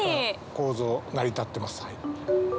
構造成り立ってますね。